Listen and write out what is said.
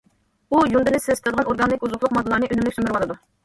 ئۇ يۇندىنى سېسىتىدىغان ئورگانىك ئوزۇقلۇق ماددىلارنى ئۈنۈملۈك سۈمۈرۈۋالىدۇ.